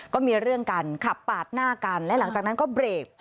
ก็มีเรื่องกันขับปาดหน้ากันและหลังจากนั้นก็เบรก